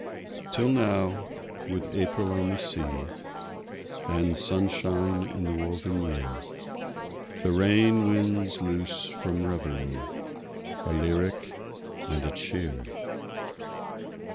Till now, with April on the sea, And sunshine in the woven year, The rain winds loose from reverie A lyric and a cheer.